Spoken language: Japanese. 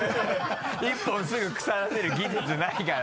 １本すぐ腐らせる技術ないから。